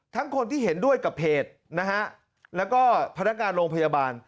ทั้งคนที่เห็นด้วยกับเพจและพนักงานโรงพยาบาล